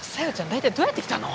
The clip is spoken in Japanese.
大体どうやってきたの！？